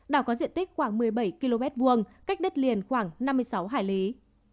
đảo có diện tích khoảng một mươi bảy km hai cách đất liền khoảng năm mươi sáu hải lý